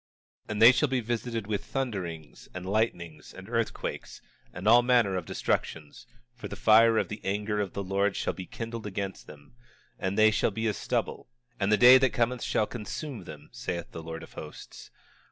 26:6 And they shall be visited with thunderings, and lightnings, and earthquakes, and all manner of destructions, for the fire of the anger of the Lord shall be kindled against them, and they shall be as stubble, and the day that cometh shall consume them, saith the Lord of Hosts.